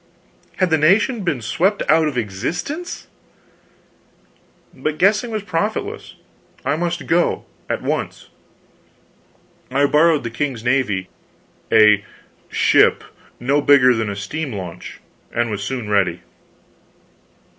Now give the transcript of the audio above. Had the nation been swept out of existence? But guessing was profitless. I must go at once. I borrowed the king's navy a "ship" no bigger than a steam launch and was soon ready.